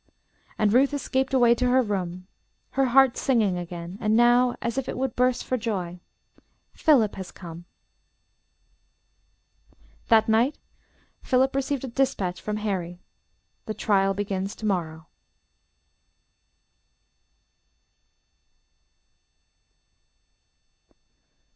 And Ruth escaped away to her room, her heart singing again, and now as if it would burst for joy, "Philip has come." That night Philip received a dispatch from Harry "The trial begins tomorrow."